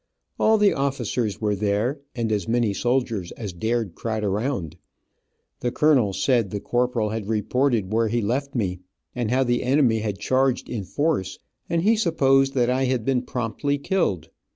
All the officers were there, and as many soldiers as dared crowd around. The colonel said the corporal had reported where he left me, and how the enemy had charged in force, and he supposed that I had been promptly killed.